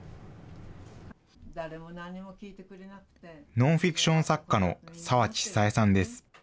ノンフィクション作家の澤地久枝さんです。